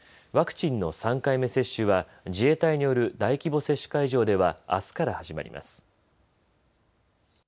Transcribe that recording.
ワクチンの３回目接種は自衛隊による大規模接種会場ではあすから始まります。